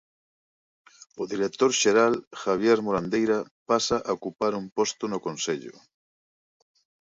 O director xeral, Javier Morandeira, pasa a ocupar un posto no Consello.